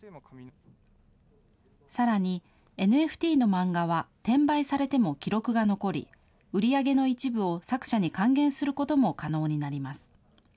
さらにＮＦＴの漫画は転売されても記録が残り、売り上げの一部を作者に還元することも可能になります。